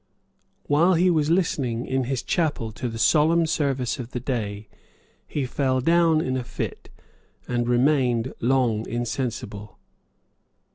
While he was listening in his chapel to the solemn service of the day, he fell down in a fit, and remained long insensible.